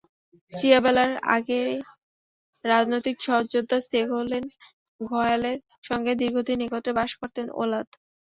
ত্রিয়াবেলারের আগে রাজনৈতিক সহযোদ্ধা সেগোলেন ঘয়ালের সঙ্গে দীর্ঘদিন একত্রে বাস করতেন ওলাঁদ।